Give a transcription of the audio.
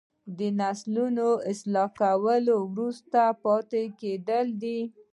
د نسلونو نه اصلاح کول وروسته پاتې کیدل دي.